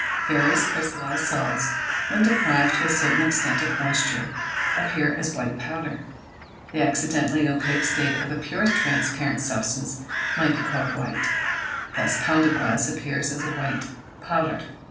Various crystallised salts, when deprived to a certain extent of moisture, appear as a white powder. The accidentally opaque state of a pure transparent substance might be called white; thus pounded glass appears as a white powder.